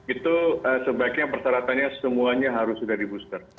itu sebaiknya persyaratannya semuanya harus sudah di booster